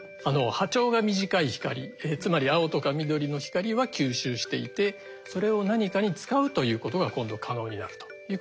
波長が短い光つまり青とか緑の光は吸収していてそれを何かに使うということが今度可能になるということですね。